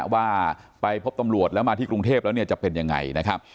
ว่าไปพบตำรวจแล้วมาที่กรุงเทพแล้วเนี่ยจะเป็นยังไงนะครับ